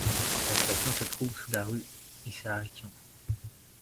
La station se trouve sous la rue Isahakian.